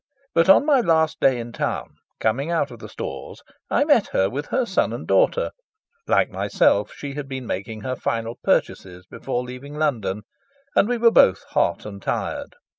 But on my last day in town, coming out of the Stores, I met her with her son and daughter; like myself, she had been making her final purchases before leaving London, and we were both hot and tired.